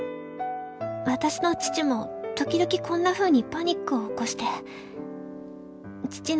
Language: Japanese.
「私の父も時々こんな風にパニックを起こして」。